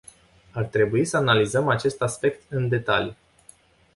Ar trebui să analizăm acest aspect în detaliu.